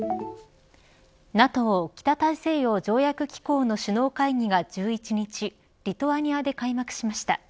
ＮＡＴＯ北大西洋条約機構の首脳会議が１１日リトアニアで開幕しました。